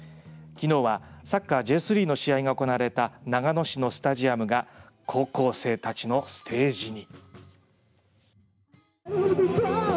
きのうはサッカーＪ３の試合が行われた長野市のスタジアムが高校生たちのステージに。